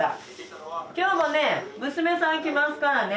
今日もね娘さん来ますからね。